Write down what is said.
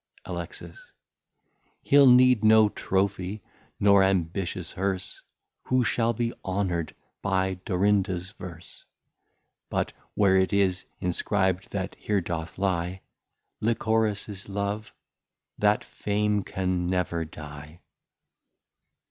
Alex. He'll need no Trophie nor ambitious Hearse, Who shall be honour'd by Dorinda's Verse; But where it is inscrib'd, That here doth lie Lycoris's Love. That Fame can never die.